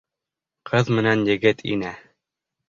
Ҡыҙ менән егет инә.